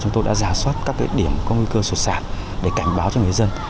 chúng tôi đã giả soát các điểm có nguy cơ sụt sản để cảnh báo cho người dân